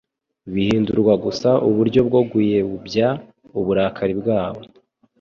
bihindurwa gusa uburyo bwo gueubya uburakari bwayo.